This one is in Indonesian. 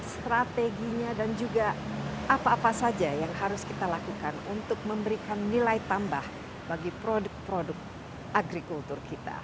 strateginya dan juga apa apa saja yang harus kita lakukan untuk memberikan nilai tambah bagi produk produk agrikultur kita